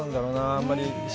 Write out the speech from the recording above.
あんまり。